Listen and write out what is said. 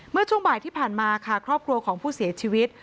เมื่อช่วงบ่ายที่ผ่านมาค่ะครอบครัวของผู้เสียชีวิต